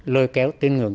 lôi kéo tuyên ngược